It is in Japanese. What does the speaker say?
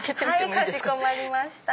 かしこまりました。